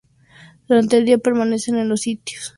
Durante el día permanecen en los sitios de alimentación.